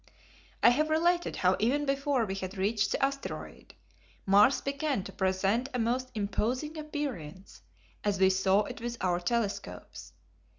I have related how even before we had reached the asteroid, Mars began to present a most imposing appearance as we saw it with our telescopes.